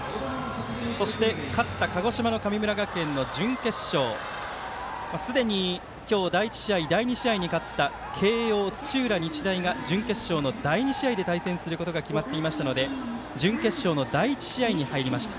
そして勝った鹿児島の神村学園の準決勝、すでに今日第１試合、第２試合に勝った慶応、土浦日大が準決勝の第２試合で対決することが決まっていましたので準決勝の第１試合に入りました。